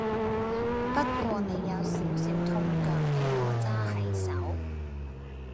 不過你有少少痛腳比我揸係手